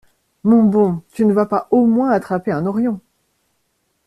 Mon bon, tu ne vas pas au moins attraper un horion!